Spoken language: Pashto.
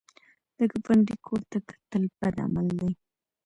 د ګاونډي کور ته کتل بد عمل دی